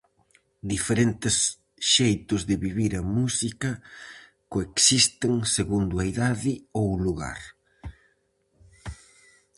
Diferentes xeitos de vivir a música coexisten segundo a idade ou o lugar.